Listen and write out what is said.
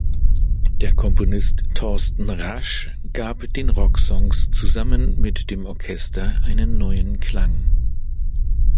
Der Komponist Torsten Rasch gab den Rocksongs zusammen mit dem Orchester einen neuen Klang.